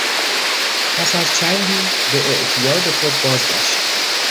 پس از چندی به اعتیاد خود بازگشت.